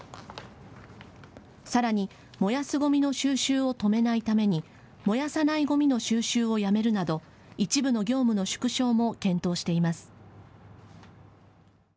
さらに、燃やすごみの収集を止めないために燃やさないごみの収集をやめるなど一部の業務の縮小も検討しています。